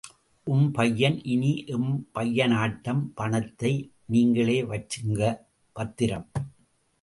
உம் பையன் இனி எம் பையனாட்டம் பணத்தை நீங்களே வச்சுக்கங்க.. பத்திரம்.